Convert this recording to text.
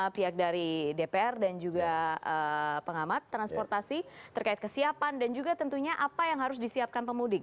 pihak dari dpr dan juga pengamat transportasi terkait kesiapan dan juga tentunya apa yang harus disiapkan pemudik